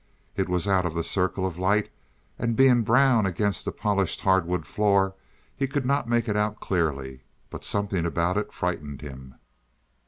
It was out of the circle of light and being brown against the polished hardwood floor, he could not make it out clearly. But something about it frightened him.